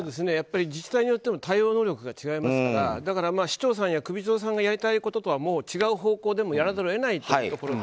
自治体によっての対応能力が違いますからだから、市長さんや首長さんがやりたいこととはもう違う方向でもやらざるを得ないところも。